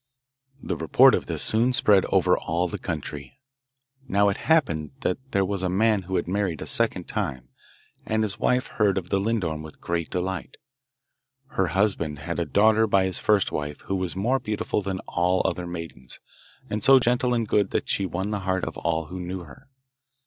The report of this soon spread over all the country. Now it happened that there was a man who had married a second time, and his wife heard of the lindorm with great delight. Her husband had a daughter by his first wife who was more beautiful than all other maidens, and so gentle and good that she won the heart of all who knew her.